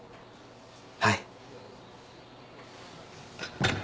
はい。